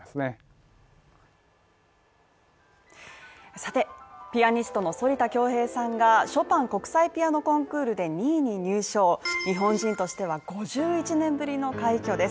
さて、ピアニストの反田恭平さんがショパン国際ピアノコンクールで２位に入賞、日本人としては、５１年ぶりの快挙です